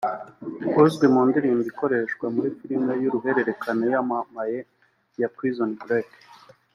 uzwi mu ndirimbo ikoreshwa muri filime y’uruhererekane yamamaye ya “Prison Break”